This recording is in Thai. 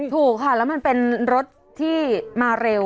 ถูกค่ะแล้วมันเป็นรถที่มาเร็ว